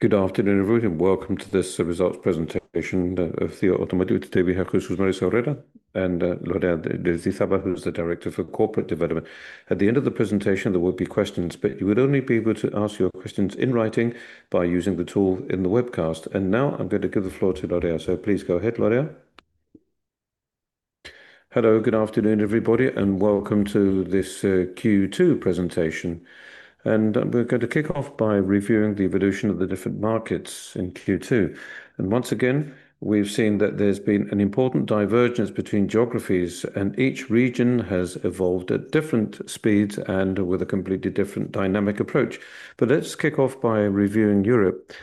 Good afternoon, everyone, welcome to this results presentation of CIE Automotive. Today, we have [Jesús María Herrera] and [Lorea Aristizábal Abasolo], who's the Director for Corporate Development. At the end of the presentation, there will be questions, you would only be able to ask your questions in writing by using the tool in the webcast. Now I'm going to give the floor to Lorea. Please go ahead, Lorea. Hello, good afternoon, everybody, welcome to this Q2 presentation. We're going to kick off by reviewing the evolution of the different markets in Q2. Once again, we've seen that there's been an important divergence between geographies, each region has evolved at different speeds and with a completely different dynamic approach. Let's kick off by reviewing Europe,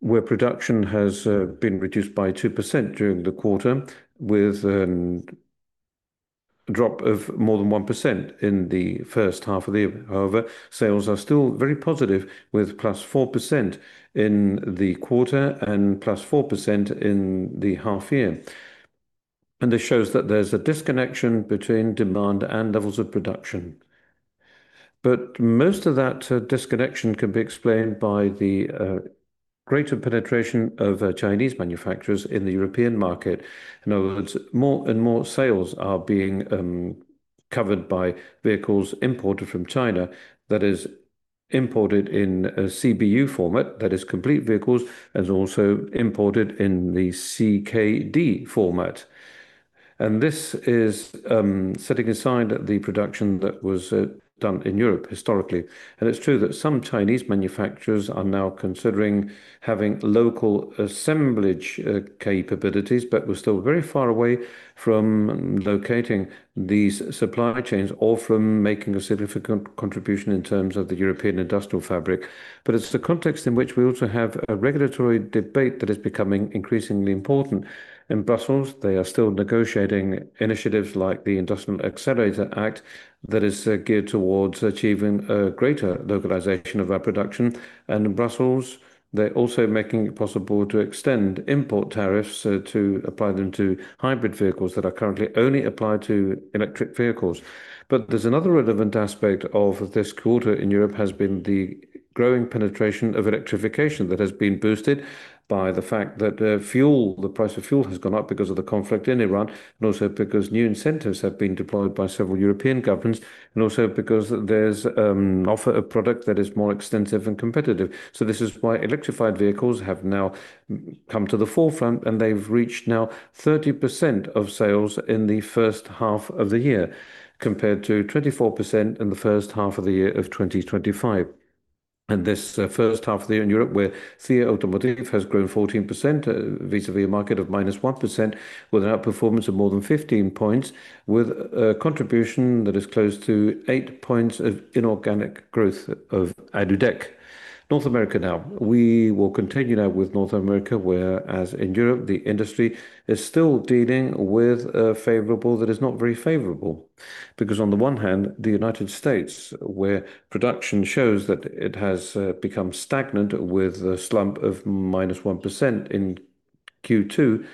where production has been reduced by 2% during the quarter, with a drop of more than 1% in the first half of the year. However, sales are still very positive, with +4% in the quarter and +4% in the half year. This shows that there's a disconnection between demand and levels of production. Most of that disconnection can be explained by the greater penetration of Chinese manufacturers in the European market. In other words, more and more sales are being covered by vehicles imported from China, that is imported in a CBU format, that is complete vehicles, also imported in the CKD format. This is setting aside the production that was done in Europe historically. It's true that some Chinese manufacturers are now considering having local assemblage capabilities, we're still very far away from locating these supply chains or from making a significant contribution in terms of the European industrial fabric. It's the context in which we also have a regulatory debate that is becoming increasingly important. In Brussels, they are still negotiating initiatives like the Industrial Accelerator Act that is geared towards achieving a greater localization of our production. In Brussels, they're also making it possible to extend import tariffs to apply them to hybrid vehicles that are currently only applied to electric vehicles. There's another relevant aspect of this quarter in Europe has been the growing penetration of electrification that has been boosted by the fact that the price of fuel has gone up because of the conflict in Iran, also because new incentives have been deployed by several European governments, also because there's offer of product that is more extensive and competitive. This is why electrified vehicles have now come to the forefront, they've reached now 30% of sales in the first half of the year, compared to 24% in the first half of the year of 2025. This first half of the year in Europe, where CIE Automotive has grown 14% vis-à-vis a market of -1%, with an outperformance of more than 15 points, with a contribution that is close to 8 points of inorganic growth of Aludec. North America now. We will continue now with North America, where, as in Europe, the industry is still dealing with a favorable that is not very favorable. On the one hand, the United States, where production shows that it has become stagnant with a slump of -1% in Q2,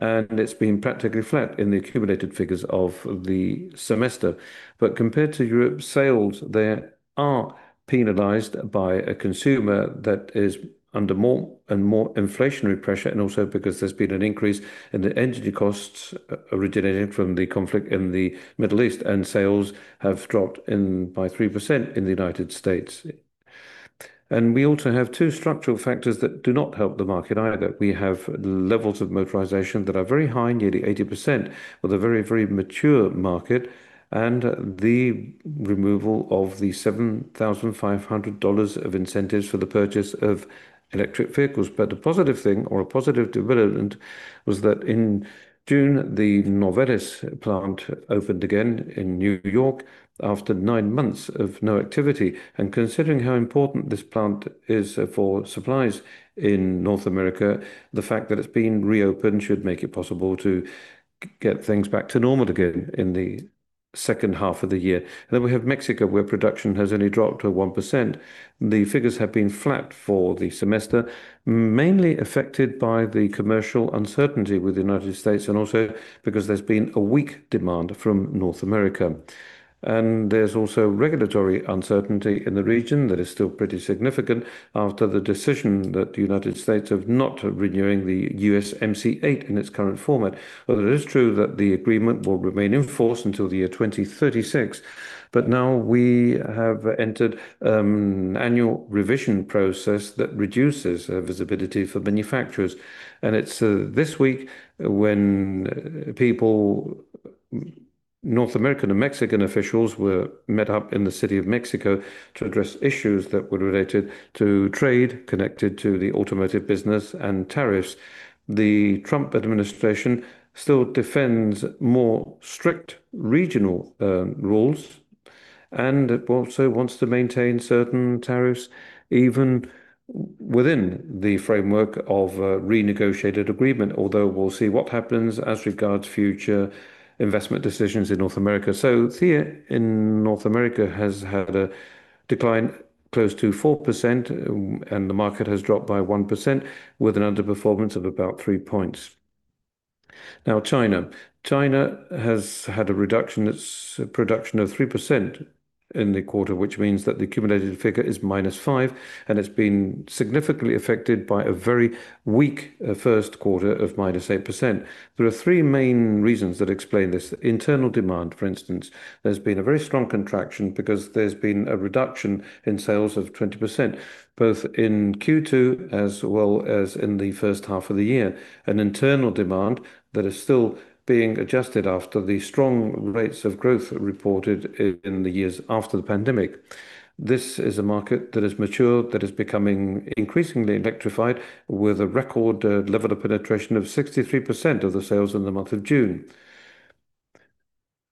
it's been practically flat in the accumulated figures of the semester. Compared to Europe, sales there are penalized by a consumer that is under more and more inflationary pressure, also because there's been an increase in the energy costs originating from the conflict in the Middle East, sales have dropped by 3% in the United States. We also have two structural factors that do not help the market either. We have levels of motorization that are very high, nearly 80%, with a very mature market, the removal of the EUR 7,500 of incentives for the purchase of electric vehicles. The positive thing or a positive development was that in June, the Novares plant opened again in New York after nine months of no activity. Considering how important this plant is for supplies in North America, the fact that it's been reopened should make it possible to get things back to normal again in the second half of the year. We have Mexico, where production has only dropped to 1%. The figures have been flat for the semester, mainly affected by the commercial uncertainty with the United States also because there's been a weak demand from North America. There's also regulatory uncertainty in the region that is still pretty significant after the decision that the United States of not renewing the USMCA in its current format. Although it is true that the agreement will remain in force until the year 2036, now we have entered annual revision process that reduces visibility for manufacturers. It's this week when North American and Mexican officials met up in Mexico City to address issues that were related to trade, connected to the automotive business and tariffs. The Trump administration still defends more strict regional rules also wants to maintain certain tariffs even within the framework of a renegotiated agreement. We'll see what happens as regards future investment decisions in North America. CIE in North America has had a decline close to 4%, the market has dropped by 1% with an underperformance of about three points. China. China has had a reduction. It's a production of 3% in the quarter, which means that the accumulated figure is -5%, it's been significantly affected by a very weak first quarter of -8%. There are three main reasons that explain this. Internal demand, for instance, there's been a very strong contraction because there's been a reduction in sales of 20%, both in Q2 as well as in the first half of the year. An internal demand that is still being adjusted after the strong rates of growth reported in the years after the pandemic. Well, this is a market that has matured, that is becoming increasingly electrified with a record level of penetration of 63% of the sales in the month of June.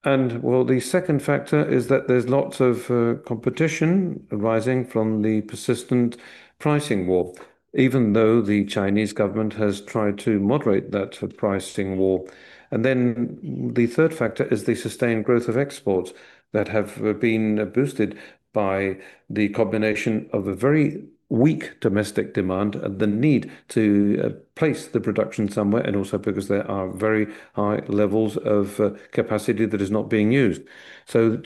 The second factor is that there's lots of competition arising from the persistent pricing war, even though the Chinese government has tried to moderate that pricing war. Then the third factor is the sustained growth of exports that have been boosted by the combination of a very weak domestic demand and the need to place the production somewhere, and also because there are very high levels of capacity that is not being used.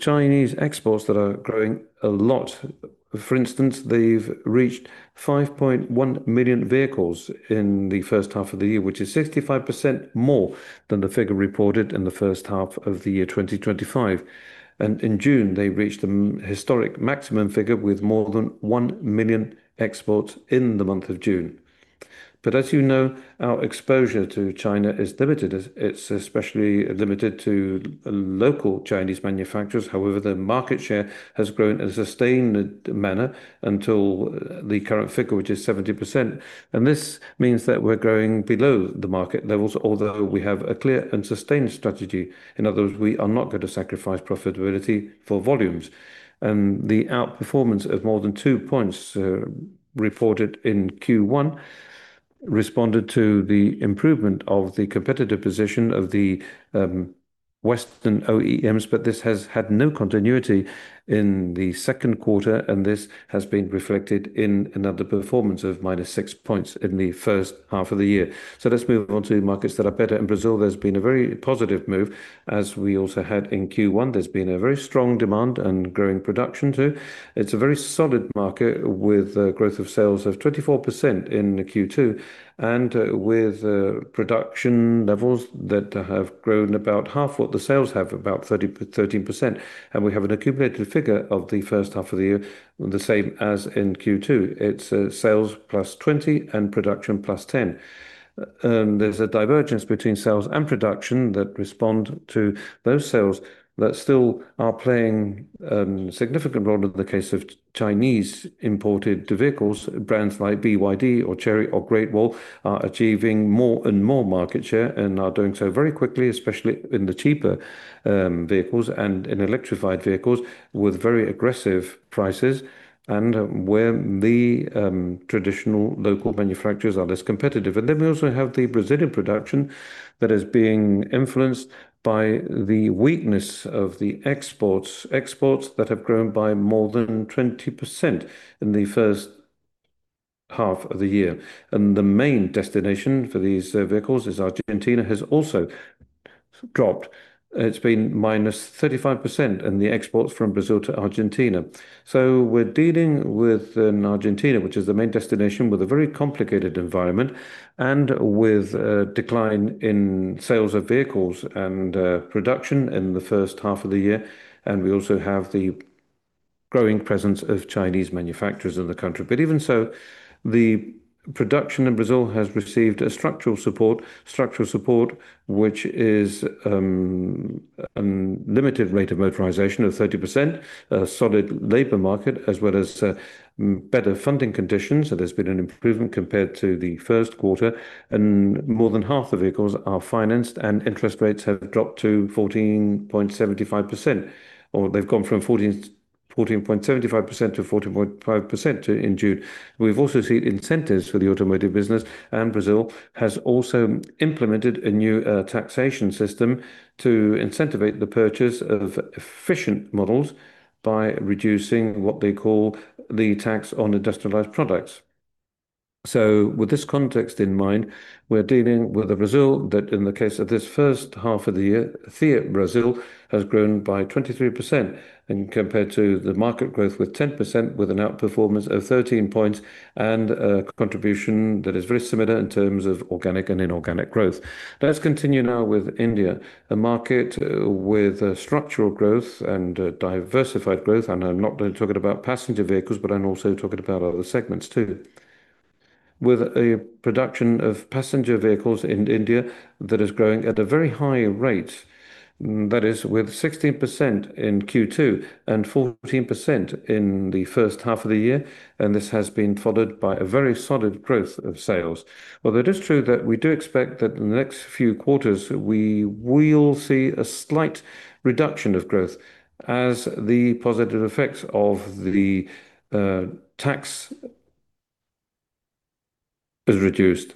Chinese exports that are growing a lot. For instance, they've reached 5.1 million vehicles in the first half of the year, which is 65% more than the figure reported in the first half of the year 2025. In June, they reached a historic maximum figure with more than 1 million exports in the month of June. As you know, our exposure to China is limited. It's especially limited to local Chinese manufacturers. However, the market share has grown in a sustained manner until the current figure, which is 70%. This means that we're growing below the market levels, although we have a clear and sustained strategy. In other words, we are not going to sacrifice profitability for volumes. The outperformance of more than two points reported in Q1 responded to the improvement of the competitive position of the Western OEMs, but this has had no continuity in the second quarter, and this has been reflected in an underperformance of -6 points in the first half of the year. Let's move on to markets that are better. In Brazil, there's been a very positive move, as we also had in Q1. There's been a very strong demand and growing production too. It's a very solid market with a growth of sales of 24% in Q2 and with production levels that have grown about half what the sales have, about 13%. We have an accumulated figure of the first half of the year, the same as in Q2. It's sales plus 20 and production plus 10. There's a divergence between sales and production that respond to those sales that still are playing a significant role in the case of Chinese imported vehicles. Brands like BYD or Chery or Great Wall are achieving more and more market share and are doing so very quickly, especially in the cheaper vehicles and in electrified vehicles with very aggressive prices and where the traditional local manufacturers are less competitive. Then we also have the Brazilian production that is being influenced by the weakness of the exports. Exports that have grown by more than 20% in the first half of the year. The main destination for these vehicles is Argentina, has also dropped. It's been -35% in the exports from Brazil to Argentina. We're dealing with Argentina, which is the main destination, with a very complicated environment and with a decline in sales of vehicles and production in the first half of the year. We also have the growing presence of Chinese manufacturers in the country. Even so, the production in Brazil has received a structural support. Structural support, which is a limited rate of motorization of 30%, a solid labor market, as well as better funding conditions. There's been an improvement compared to the first quarter. More than half the vehicles are financed and interest rates have dropped to 14.75%, or they've gone from 14.75% to 14.5% in June. We've also seen incentives for the automotive business. Brazil has also implemented a new taxation system to incentivize the purchase of efficient models by reducing what they call the tax on industrialized products. With this context in mind, we're dealing with a Brazil that in the case of this first half of the year, CIE Automotive Brazil has grown by 23%. Compared to the market growth with 10% with an outperformance of 13 points and a contribution that is very similar in terms of organic and inorganic growth. Let's continue now with India, a market with structural growth and diversified growth. I'm not only talking about passenger vehicles, but I'm also talking about other segments too. With a production of passenger vehicles in India that is growing at a very high rate, that is with 16% in Q2 and 14% in the first half of the year. This has been followed by a very solid growth of sales. Well, it is true that we do expect that in the next few quarters, we will see a slight reduction of growth as the positive effects of the tax is reduced,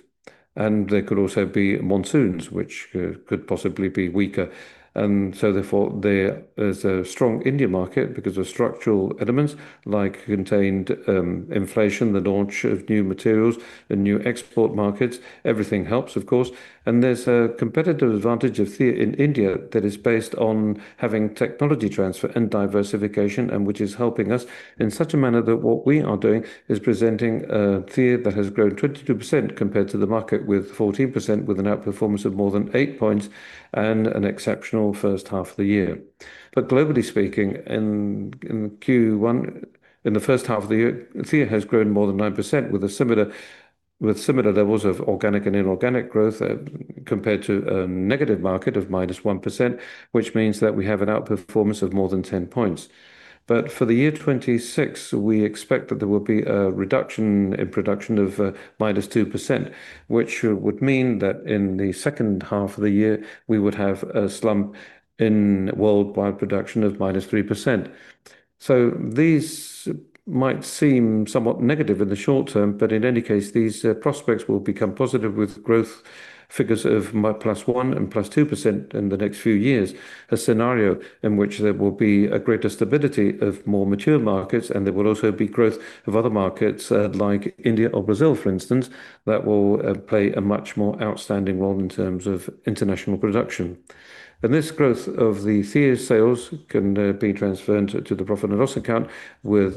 and there could also be monsoons, which could possibly be weaker. Therefore, there is a strong India market because of structural elements like contained inflation, the launch of new materials and new export markets. Everything helps, of course. There's a competitive advantage of CIE in India that is based on having technology transfer and diversification, and which is helping us in such a manner that what we are doing is presenting a CIE that has grown 22% compared to the market with 14%, with an outperformance of more than eight points and an exceptional first half of the year. Globally speaking, in the first half of the year, CIE has grown more than 9% with similar levels of organic and inorganic growth compared to a negative market of -1%, which means that we have an outperformance of more than 10 points. For the year 2026, we expect that there will be a reduction in production of -2%, which would mean that in the second half of the year, we would have a slump in worldwide production of -3%. These might seem somewhat negative in the short term. In any case, these prospects will become positive with growth figures of +1% and +2% in the next few years. A scenario in which there will be a greater stability of more mature markets. There will also be growth of other markets like India or Brazil, for instance, that will play a much more outstanding role in terms of international production. This growth of the CIE sales can be transferred to the profit and loss account with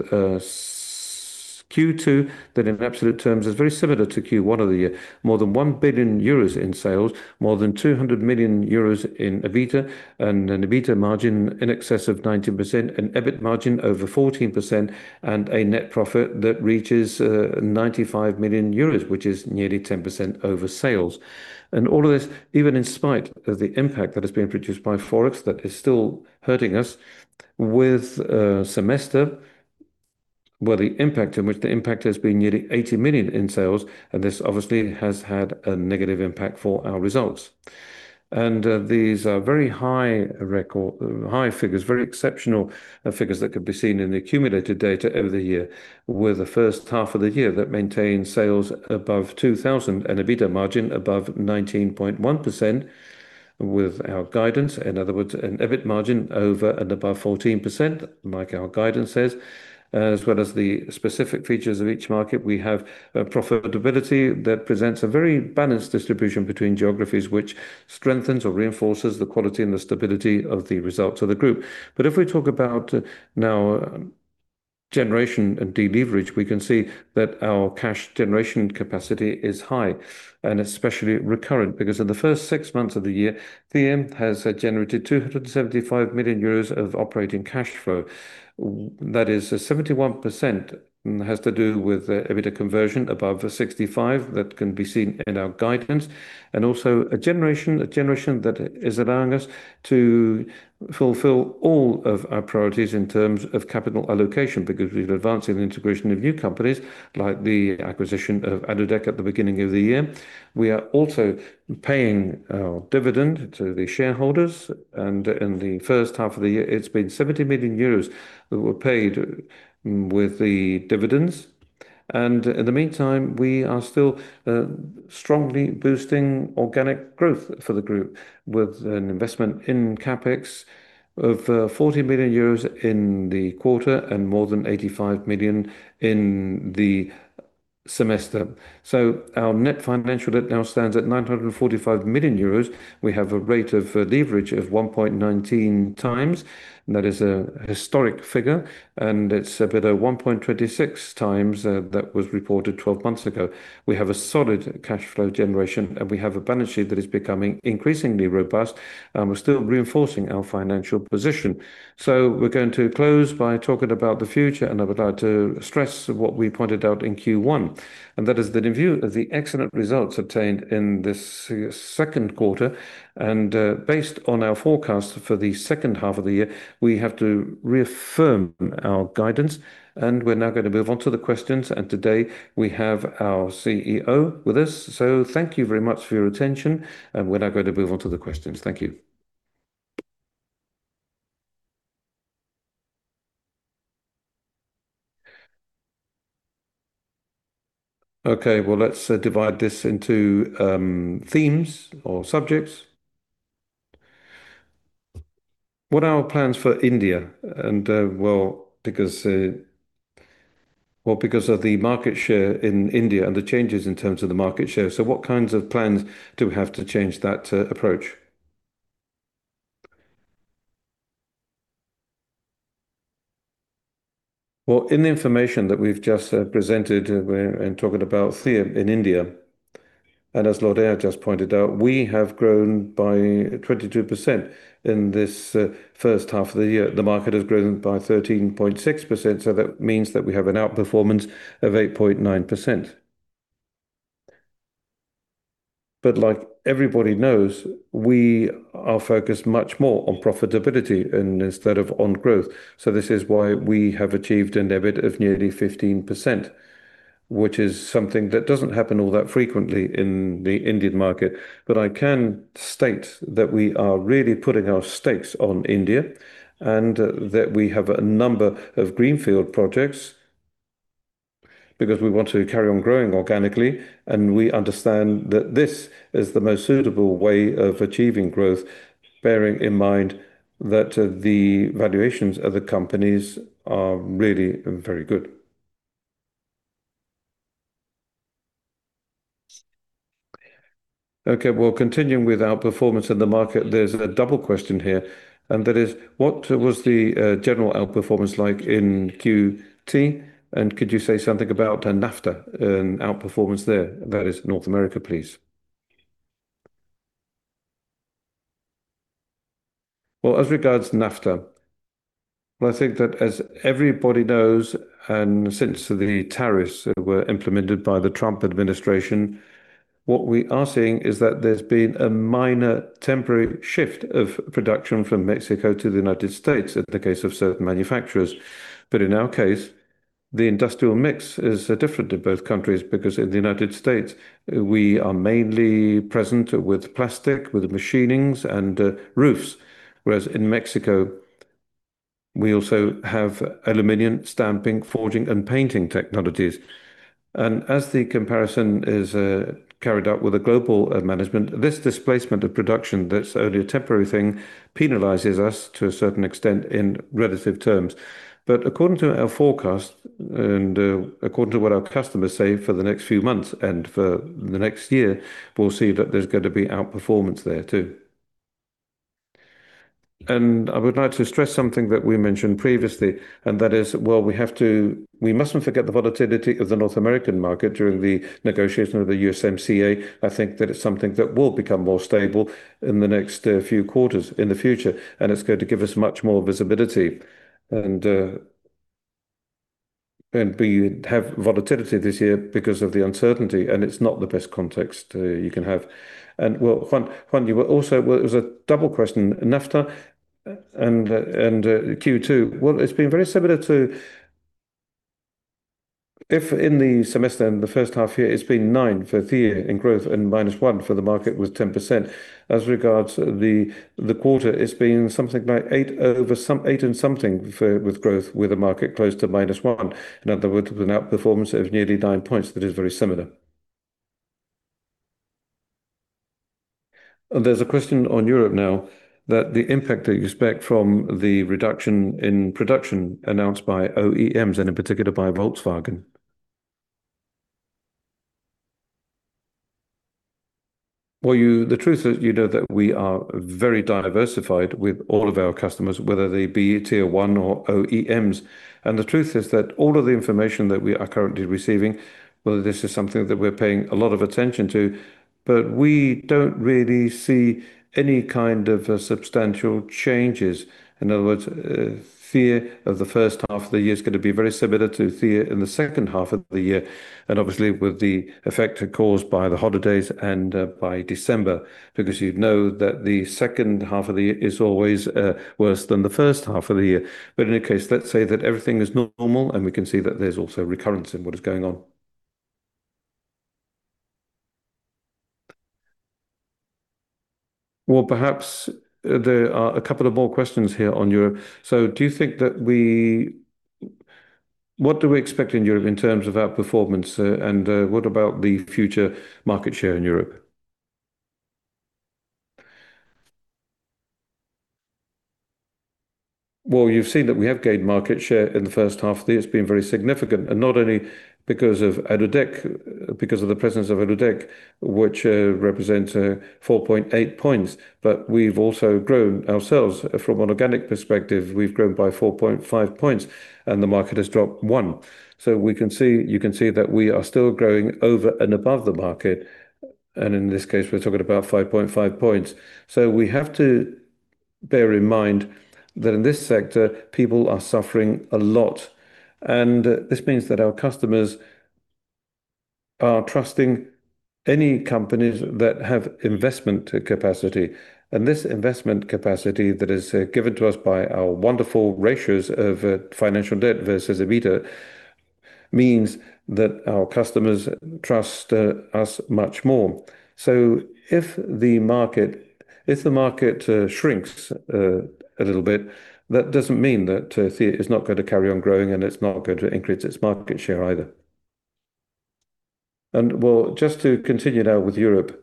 Q2 that in absolute terms is very similar to Q1 of the year. More than 1 billion euros in sales, more than 200 million euros in EBITDA and an EBITDA margin in excess of 19%, an EBIT margin over 14%, and a net profit that reaches 95 million euros, which is nearly 10% over sales. All of this, even in spite of the impact that is being produced by Forex that is still hurting us with a semester where the impact in which the impact has been nearly 80 million in sales, and this obviously has had a negative impact for our results. These are very high figures, very exceptional figures that could be seen in the accumulated data over the year, with the first half of the year that maintained sales above 2,000 million and EBITDA margin above 19.1% with our guidance. In other words, an EBIT margin over and above 14%, like our guidance says, as well as the specific features of each market. We have a profitability that presents a very balanced distribution between geographies, which strengthens or reinforces the quality and the stability of the results of the group. If we talk about now generation and deleverage, we can see that our cash generation capacity is high and especially recurrent because in the first six months of the year, CIE Automotive has generated 275 million euros of operating cash flow. That is 71% has to do with EBITDA conversion above 65% that can be seen in our guidance. Also a generation that is allowing us to fulfill all of our priorities in terms of capital allocation because we're advancing the integration of new companies like the acquisition of Aludec at the beginning of the year. We are also paying our dividend to the shareholders, and in the first half of the year, it's been 70 million euros that were paid with the dividends. In the meantime, we are still strongly boosting organic growth for the group with an investment in CapEx of 40 million euros in the quarter and more than 85 million in the semester. Our net financial debt now stands at 945 million euros. We have a rate of leverage of 1.19x. That is a historic figure, and it's a bit of 1.26x that was reported 12 months ago. We have a solid cash flow generation, and we have a balance sheet that is becoming increasingly robust. We're still reinforcing our financial position. We're going to close by talking about the future, and I would like to stress what we pointed out in Q1, and that is that in view of the excellent results obtained in this second quarter and based on our forecast for the second half of the year, we have to reaffirm our guidance and we're now going on to the questions. Today we have our CEO with us. Thank you very much for your attention, and we're now going to move on to the questions. Thank you. Okay, well, let's divide this into themes or subjects. What are our plans for India? Well, because of the market share in India and the changes in terms of the market share. What kinds of plans do we have to change that approach? In the information that we've just presented and talking about CIE in India, as Lorea just pointed out, we have grown by 22% in this first half of the year. The market has grown by 13.6%, that means that we have an outperformance of 8.9%. Like everybody knows, we are focused much more on profitability instead of on growth. This is why we have achieved an EBIT of nearly 15%, which is something that doesn't happen all that frequently in the Indian market. I can state that we are really putting our stakes on India, and that we have a number of greenfield projects because we want to carry on growing organically, and we understand that this is the most suitable way of achieving growth, bearing in mind that the valuations of the companies are really very good. Continuing with outperformance in the market, there's a double question here, that is what was the general outperformance like in Q2? Could you say something about NAFTA and outperformance there? That is North America, please. As regards to NAFTA, I think that as everybody knows, since the tariffs were implemented by the Trump administration, what we are seeing is that there's been a minor temporary shift of production from Mexico to the United States in the case of certain manufacturers. In our case, the industrial mix is different in both countries because in the United States, we are mainly present with plastic, with machining, and roofs. Whereas in Mexico, we also have aluminum stamping, forging, and painting technologies. As the comparison is carried out with a global management, this displacement of production that's only a temporary thing penalizes us to a certain extent in relative terms. According to our forecast and according to what our customers say for the next few months and for the next year, we'll see that there's going to be outperformance there too. I would like to stress something that we mentioned previously, that is, we mustn't forget the volatility of the North American market during the negotiation of the USMCA. I think that it's something that will become more stable in the next few quarters in the future, and it's going to give us much more visibility. We have volatility this year because of the uncertainty, it's not the best context you can have. Juan, it was a double question, NAFTA and Q2. It's been very similar to if in the semester, in the first half year, it's been 9% for CIE in growth and -1% for the market with 10%. As regards the quarter, it's been something like 8% and something with growth with the market close to -1%. In other words, with an outperformance of nearly 9% points. That is very similar. There's a question on Europe now that the impact that you expect from the reduction in production announced by OEMs, and in particular by Volkswagen. The truth is you know that we are very diversified with all of our customers, whether they be tier one or OEMs. The truth is that all of the information that we are currently receiving, this is something that we're paying a lot of attention to, we don't really see any kind of substantial changes. In other words, CIE of the first half of the year is going to be very similar to CIE in the second half of the year, Obviously with the effect caused by the holidays and by December. You know that the second half of the year is always worse than the first half of the year. In any case, let's say that everything is not normal, We can see that there's also recurrence in what is going on. Perhaps there are a couple of more questions here on Europe. What do we expect in Europe in terms of our performance and what about the future market share in Europe? You've seen that we have gained market share in the first half of the year. It's been very significant, Not only because of the presence of Aludec, which represents 4.8 points, but we've also grown ourselves. From an organic perspective, we've grown by 4.5 points and the market has dropped 1 point. You can see that we are still growing over and above the market, In this case, we're talking about 5.5 points. We have to bear in mind that in this sector, people are suffering a lot. This means that our customers are trusting any companies that have investment capacity. This investment capacity that is given to us by our wonderful ratios of financial debt versus EBITDA means that our customers trust us much more. If the market shrinks a little bit, that doesn't mean that CIE is not going to carry on growing and it's not going to increase its market share either. Just to continue now with Europe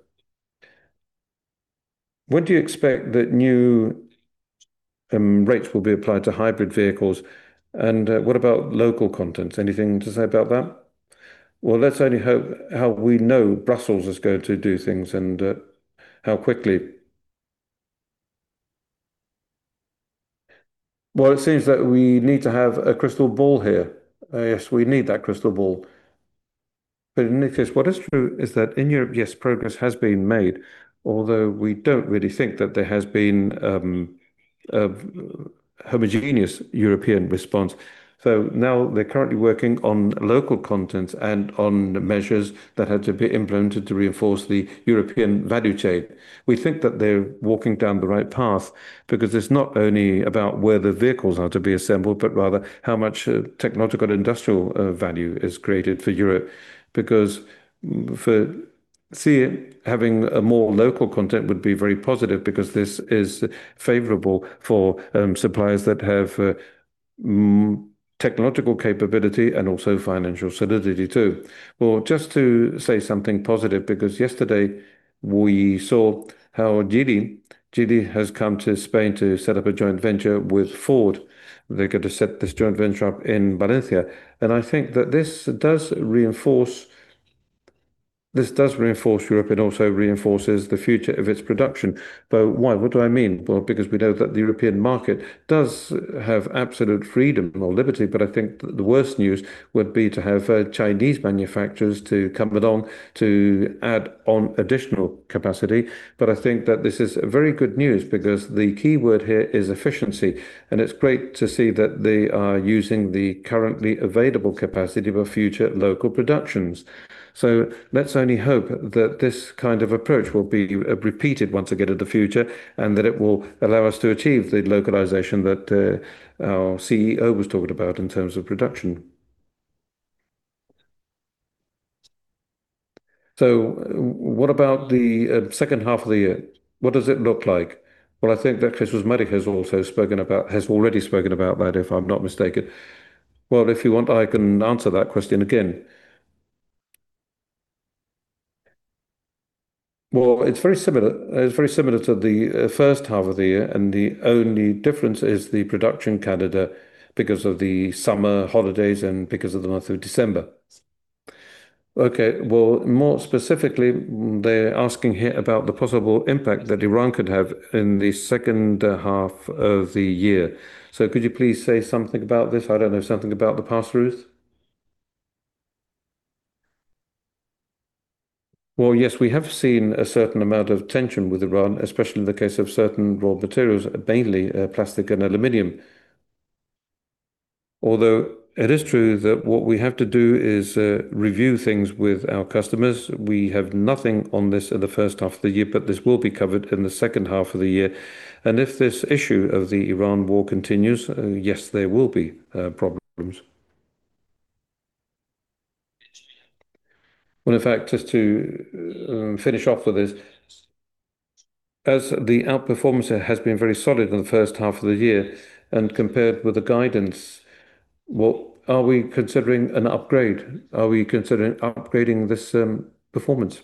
When do you expect that new rates will be applied to hybrid vehicles, and what about local content? Anything to say about that? Let's only hope how we know Brussels is going to do things and how quickly. It seems that we need to have a crystal ball here. Yes, we need that crystal ball. In any case, what is true is that in Europe, yes, progress has been made, although we don't really think that there has been a homogeneous European response. Now they're currently working on local content and on measures that had to be implemented to reinforce the European value chain. We think that they're walking down the right path because it's not only about where the vehicles are to be assembled, but rather how much technological industrial value is created for Europe. Because for CIE, having a more local content would be very positive because this is favorable for suppliers that have technological capability and also financial solidity too. Just to say something positive, because yesterday we saw how Geely has come to Spain to set up a joint venture with Ford. They're going to set this joint venture up in Valencia, I think that this does reinforce Europe and also reinforces the future of its production. Why? What do I mean? Because we know that the European market does have absolute freedom or liberty, I think that the worst news would be to have Chinese manufacturers to come along to add on additional capacity. I think that this is very good news because the key word here is efficiency, and it's great to see that they are using the currently available capacity for future local productions. Let's only hope that this kind of approach will be repeated once again in the future, and that it will allow us to achieve the localization that our CEO was talking about in terms of production. What about the second half of the year? What does it look like? I think that Jesús María has already spoken about that, if I'm not mistaken. If you want, I can answer that question again. It's very similar to the first half of the year, and the only difference is the production calendar because of the summer holidays and because of the month of December. Okay. More specifically, they're asking here about the possible impact that Iran could have in the second half of the year. Could you please say something about this? I don't know, something about the pass-throughs. Yes, we have seen a certain amount of tension with Iran, especially in the case of certain raw materials, mainly plastic and aluminum. Although it is true that what we have to do is review things with our customers. We have nothing on this in the first half of the year, but this will be covered in the second half of the year. If this issue of the Iran war continues, yes, there will be problems. In fact, just to finish off with this, as the outperformance has been very solid in the first half of the year and compared with the guidance, are we considering an upgrade? Are we considering upgrading this performance?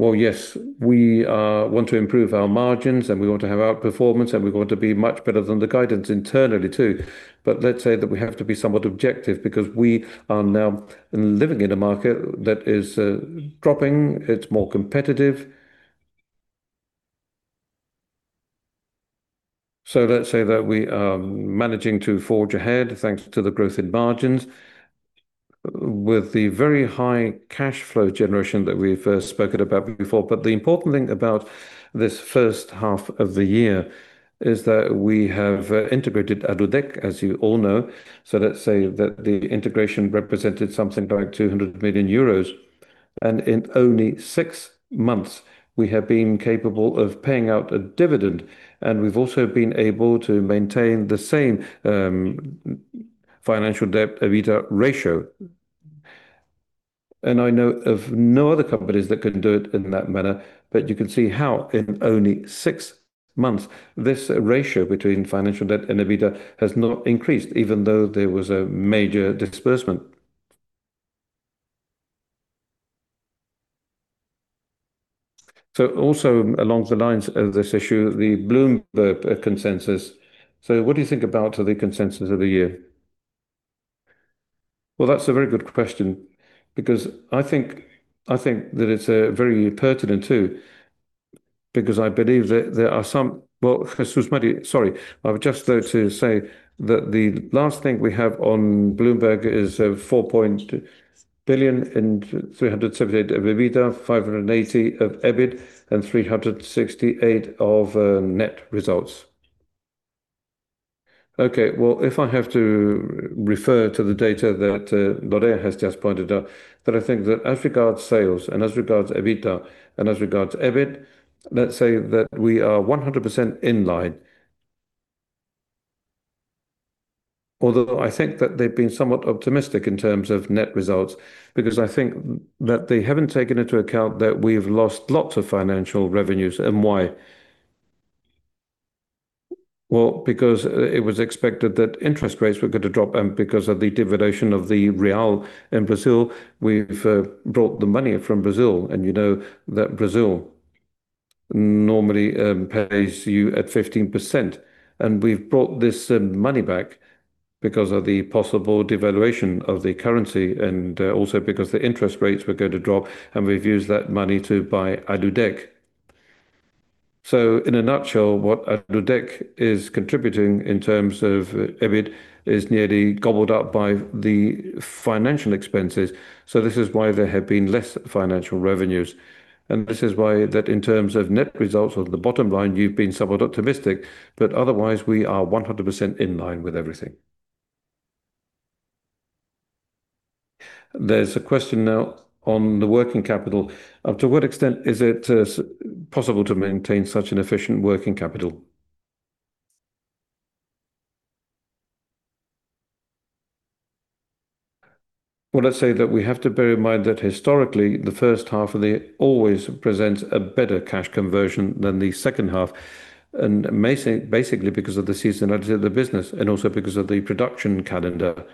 Yes. We want to improve our margins and we want to have outperformance, and we want to be much better than the guidance internally too. Let's say that we have to be somewhat objective because we are now living in a market that is dropping. It's more competitive. Let's say that we are managing to forge ahead, thanks to the growth in margins with the very high cash flow generation that we've spoken about before. The important thing about this first half of the year is that we have integrated Aludec, as you all know. Let's say that the integration represented something like 200 million euros, and in only six months, we have been capable of paying out a dividend, and we've also been able to maintain the same financial debt EBITDA ratio. I know of no other companies that can do it in that manner, but you can see how in only six months this ratio between financial debt and EBITDA has not increased even though there was a major disbursement. Also along the lines of this issue, the Bloomberg consensus. What do you think about the consensus of the year? That's a very good question because I think that it's very pertinent too, because I believe that there are some. Jesús María, sorry. Just though to say that the last thing we have on Bloomberg is 4.2 billion in sales, 778 million of EBITDA, 580 million of EBIT, and 368 million of net results. Okay. If I have to refer to the data that Lorea has just pointed out, I think that as regards sales and as regards EBITDA and as regards EBIT, we are 100% in line. Although I think that they have been somewhat optimistic in terms of net results because I think that they have not taken into account that we have lost lots of financial revenues. Why? Because it was expected that interest rates were going to drop, and because of the devaluation of the BRL in Brazil, we have brought the money from Brazil. You know that Brazil normally pays you at 15%. We have brought this money back because of the possible devaluation of the currency, and also because the interest rates were going to drop, and we have used that money to buy Aludec. In a nutshell, what Aludec is contributing in terms of EBIT is nearly gobbled up by the financial expenses. This is why there have been less financial revenues. This is why in terms of net results or the bottom line, you have been somewhat optimistic, but otherwise we are 100% in line with everything. There is a question now on the working capital. To what extent is it possible to maintain such an efficient working capital? We have to bear in mind that historically, the first half of the year always presents a better cash conversion than the second half, and basically because of the seasonality of the business and also because of the production calendar,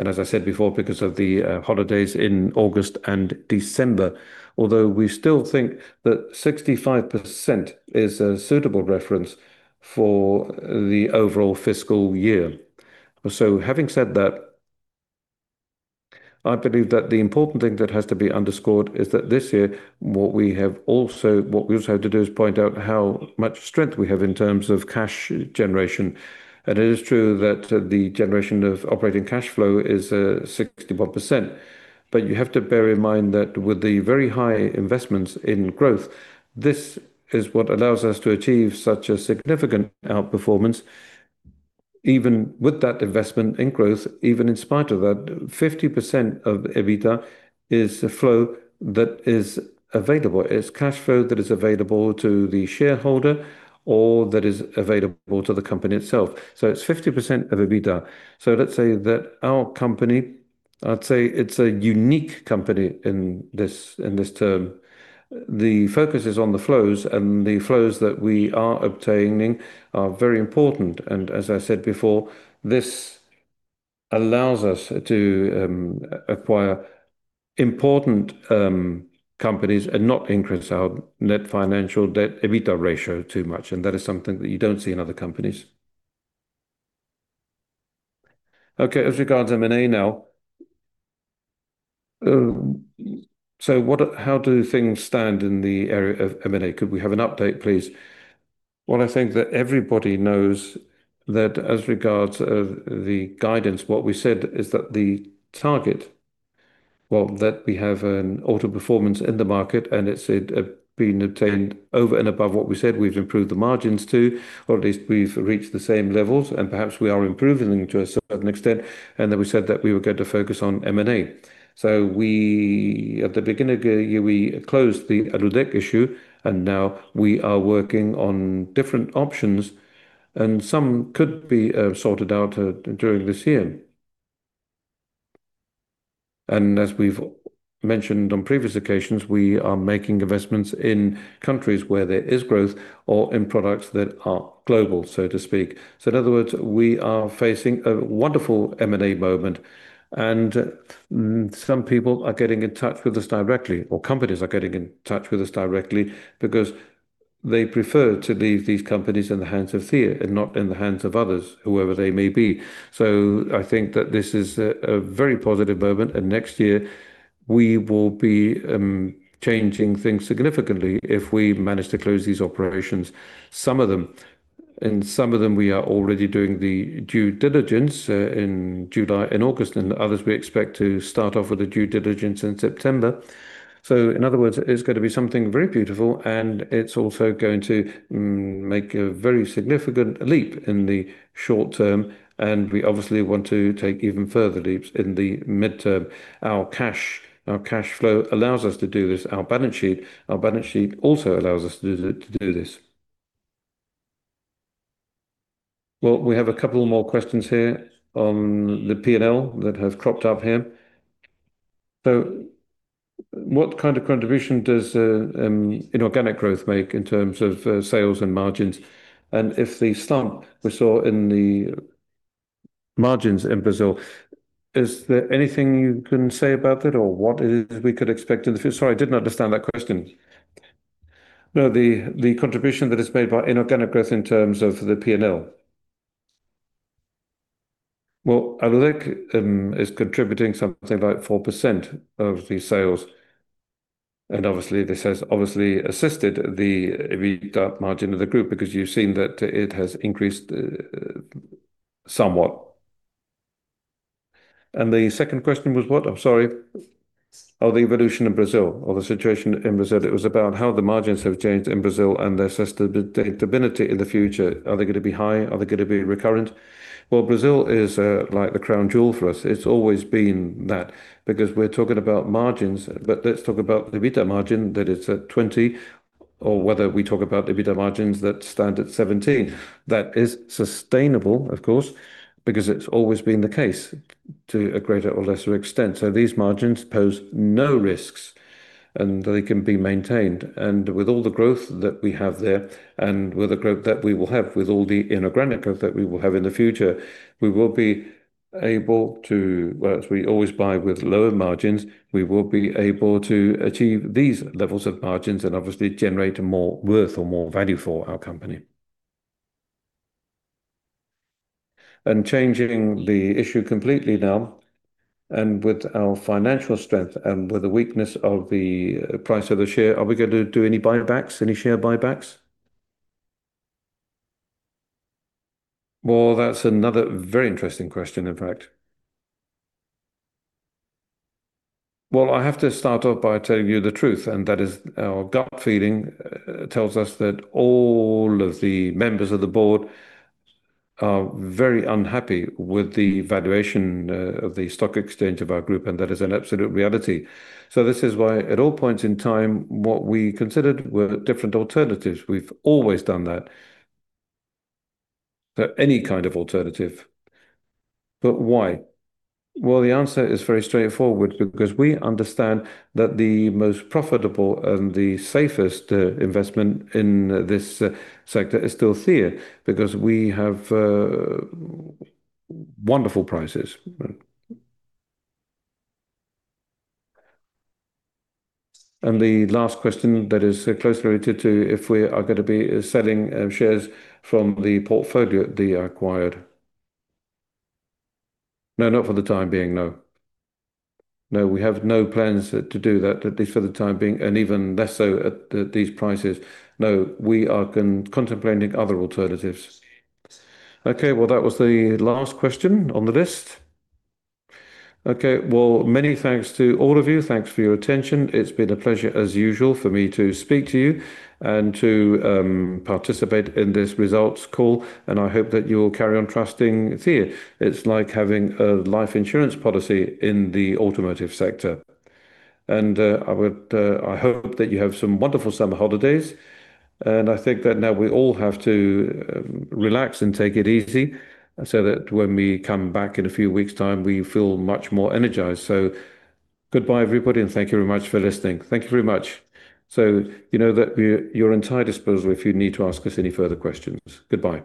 and as I said before, because of the holidays in August and December. Although we still think that 65% is a suitable reference for the overall fiscal year. Having said that, I believe that the important thing that has to be underscored is that this year, what we also have to do is point out how much strength we have in terms of cash generation. It is true that the generation of operating cash flow is 61%. But you have to bear in mind that with the very high investments in growth, this is what allows us to achieve such a significant outperformance even with that investment in growth, even in spite of that 50% of EBITDA is a flow that is available. It is cash flow that is available to the shareholder or that is available to the company itself. It is 50% of EBITDA. Our company, I would say it is a unique company in this term. The focus is on the flows, and the flows that we are obtaining are very important. As I said before, this allows us to acquire important companies and not increase our NFD/EBITDA ratio too much, and that is something that you do not see in other companies. As regards M&A now. How do things stand in the area of M&A? Could we have an update, please? I think that everybody knows that as regards of the guidance, what we said is that the target, that we have an outperformance in the market, and it has been obtained over and above what we said we have improved the margins to, or at least we have reached the same levels and perhaps we are improving to a certain extent, and that we said that we were going to focus on M&A. At the beginning of the year, we closed the Aludec issue, now we are working on different options and some could be sorted out during this year. As we've mentioned on previous occasions, we are making investments in countries where there is growth or in products that are global, so to speak. In other words, we are facing a wonderful M&A moment, and some people are getting in touch with us directly, or companies are getting in touch with us directly because they prefer to leave these companies in the hands of CIE and not in the hands of others, whoever they may be. I think that this is a very positive moment, and next year we will be changing things significantly if we manage to close these operations. Some of them we are already doing the due diligence in August and others we expect to start off with the due diligence in September. In other words, it's going to be something very beautiful, and it's also going to make a very significant leap in the short term, and we obviously want to take even further leaps in the midterm. Our cash flow allows us to do this. Our balance sheet also allows us to do this. Well, we have a couple more questions here on the P&L that have cropped up here. What kind of contribution does inorganic growth make in terms of sales and margins? If the slump we saw in the margins in Brazil, is there anything you can say about that or what is we could expect in the fut--? Sorry, I didn't understand that question. No, the contribution that is made by inorganic growth in terms of the P&L. Well, Aludec is contributing something like 4% of the sales, and obviously this has obviously assisted the EBITDA margin of the group because you've seen that it has increased somewhat. The second question was what? I'm sorry. The evolution in Brazil or the situation in Brazil. It was about how the margins have changed in Brazil and their sustainability in the future. Are they going to be high? Are they going to be recurrent? Brazil is like the crown jewel for us. It's always been that because we're talking about margins. But let's talk about the EBITDA margin, that it's at 20%, or whether we talk about EBITDA margins that stand at 17%. That is sustainable, of course, because it's always been the case to a greater or lesser extent. These margins pose no risks, and they can be maintained. With all the growth that we have there, and with the growth that we will have, with all the inorganic growth that we will have in the future, we will be able to achieve these levels of margins and obviously generate more worth or more value for our company. Changing the issue completely now, and with our financial strength and with the weakness of the price of the share, are we going to do any buybacks, any share buybacks? Well, that's another very interesting question, in fact. I have to start off by telling you the truth, and that is our gut feeling tells us that all of the members of the board are very unhappy with the valuation of the stock exchange of our group, and that is an absolute reality. This is why at all points in time, what we considered were different alternatives. We've always done that. Any kind of alternative. Why? The answer is very straightforward, because we understand that the most profitable and the safest investment in this sector is still CIE, because we have wonderful prices. The last question that is closely related to if we are going to be selling shares from the portfolio acquired. No, not for the time being, no. No, we have no plans to do that, at least for the time being, and even less so at these prices. No, we are contemplating other alternatives. That was the last question on the list. Many thanks to all of you. Thanks for your attention. It's been a pleasure, as usual, for me to speak to you and to participate in this results call, and I hope that you will carry on trusting CIE. It's like having a life insurance policy in the automotive sector. I hope that you have some wonderful summer holidays. I think that now we all have to relax and take it easy, so that when we come back in a few weeks' time, we feel much more energized. Goodbye, everybody, and thank you very much for listening. Thank you very much. You know that we're at your entire disposal if you need to ask us any further questions. Goodbye.